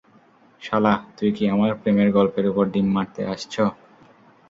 শালা, তুই কি আমার প্রেমের গল্পের উপর ডিম মারতে আসছো?